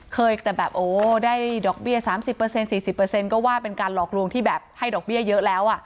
เคยแต่แบบโอ้ได้ดอกเบี้ย๓๐๔๐ก็ว่าเป็นการหลอกลวงที่แบบให้ดอกเบี้ยเยอะแล้ว